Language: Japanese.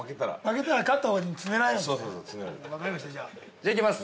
◆じゃあ、行きます。